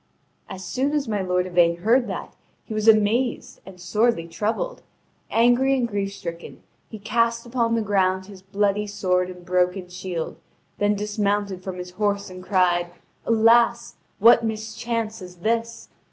As soon as my lord Yvain heard that, he was amazed and sorely troubled; angry and grief stricken, he cast upon the ground his bloody sword and broken shield, then dismounted from his horse, and cried: "Alas, what mischance is this!